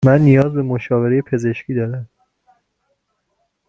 من نیاز به مشاوره پزشکی دارم.